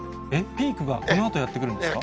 ピークがこのあとやって来るんですか？